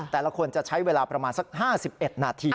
แต่ละคนจะใช้เวลาประมาณสัก๕๑นาที